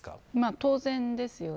当然ですよね。